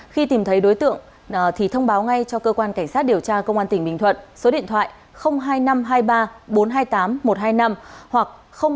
khi tìm thấy đối tượng thì thông báo ngay cho cơ quan cảnh sát điều tra công an tỉnh bình thuận số điện thoại hai nghìn năm trăm hai mươi ba bốn trăm hai mươi tám một trăm hai mươi năm hoặc ba mươi chín bảy nghìn ba trăm bảy mươi sáu bốn trăm năm mươi năm